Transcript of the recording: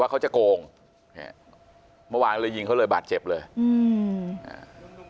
เขาจะโกงเนี่ยเมื่อวานเลยยิงเขาเลยบาดเจ็บเลยอืมอ่า